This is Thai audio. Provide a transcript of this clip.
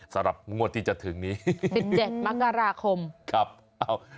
สำหรับงวดที่จะถึงนี้สิบเจ็ดมกราคมครับเอ้า